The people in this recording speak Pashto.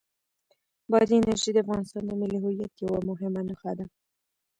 بادي انرژي د افغانستان د ملي هویت یوه مهمه نښه ده.